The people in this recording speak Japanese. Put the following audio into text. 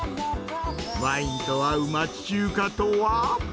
ワインと合う町中華とは？